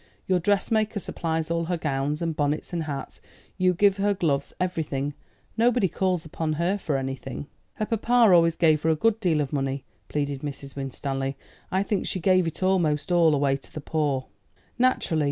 "Your dressmaker supplies all her gowns, and bonnets, and hats. You give her gloves everything. Nobody calls upon her for anything." "Her papa always gave her a good deal of money," pleaded Mrs. Winstanley. "I think she gave it almost all away to the poor." "Naturally.